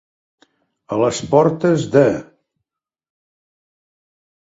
A les portes de.